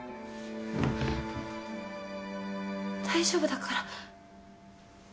大丈夫だから。